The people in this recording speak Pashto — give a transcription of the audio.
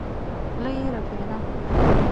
خوله يې رپېده.